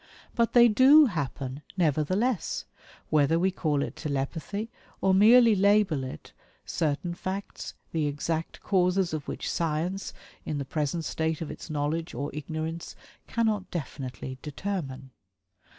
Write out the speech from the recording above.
But they DO happen, nevertheless, whether we call it "telepathy" or merely label it "certain facts, the exact causes of which Science in the present state of its knowledge (or ignorance) cannot definitely determine."